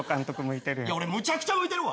いや俺むちゃくちゃ向いてるわ。